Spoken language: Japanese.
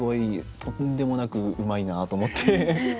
とんでもなくうまいなと思って。